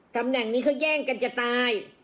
ตำแหน่งนี้เขาแย่งกันจะตาย